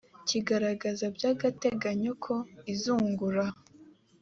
kigaragaza bya agateganyo ko izungura